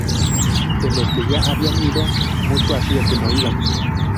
De los que ya habían ido, mucho hacía que no iban.